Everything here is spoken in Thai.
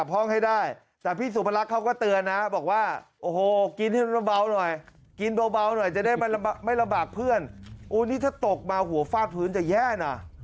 โอ้โหนี่ถ้าตกมาหัวภากพื้นจะแย่นะ